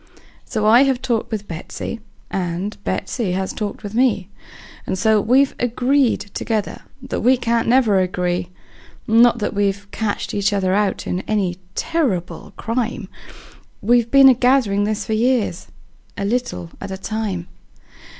So I have talked with Betsey, and Betsey has talked with me, And so we've agreed together that we can't never agree; Not that we've catched each other in any terrible crime; We've been a gathering this for years, a little at a time.